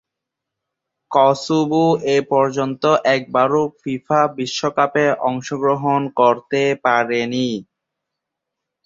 Kosovo এপর্যন্ত একবারও FIFA বিশ্বকাপে অংশগ্রহণ করতে পারেনি।